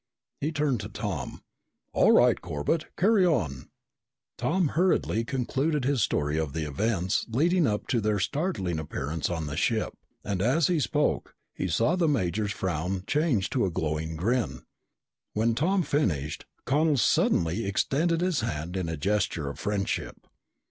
He turned to Tom. "All right, Corbett, carry on!" Tom hurriedly concluded his story of the events leading up to their startling appearance on the ship, and as he spoke, he saw the major's frown change to a glowing grin. When Tom finished, Connel suddenly extended his hand in a gesture of friendship.